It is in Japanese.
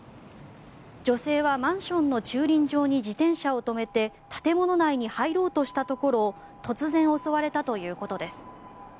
女性はマンションの駐輪場に自転車を止めて建物内に入ろうとしたところを突然、襲われたということです。